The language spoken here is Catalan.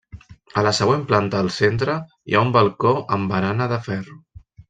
A la següent planta al centre hi ha un balcó amb barana de ferro.